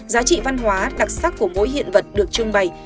giá trị văn hóa đặc sắc của mỗi hiện vật được trưng bày